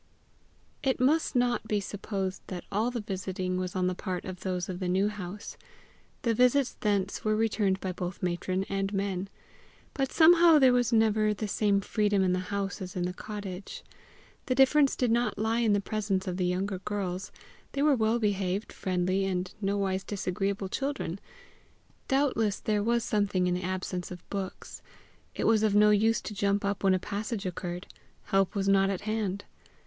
It must not be supposed that all the visiting was on the part of those of the New House. The visits thence were returned by both matron and men. But somehow there was never the same freedom in the house as in the cottage. The difference did not lie in the presence of the younger girls: they were well behaved, friendly, and nowise disagreeable children. Doubtless there was something in the absence of books: it was of no use to jump up when a passage occurred; help was not at hand.